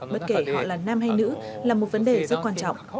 bất kể họ là nam hay nữ là một vấn đề rất quan trọng